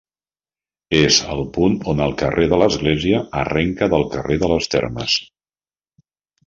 És al punt on el carrer de l'Església arrenca del carrer de les Termes.